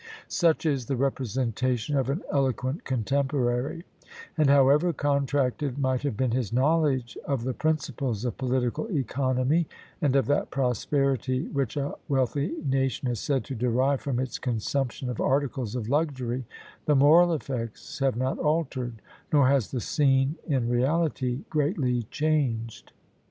Such is the representation of an eloquent contemporary; and however contracted might have been his knowledge of the principles of political economy, and of that prosperity which a wealthy nation is said to derive from its consumption of articles of luxury, the moral effects have not altered, nor has the scene in reality greatly changed.